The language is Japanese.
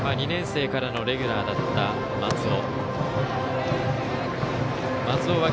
２年生からのレギュラーだった松尾。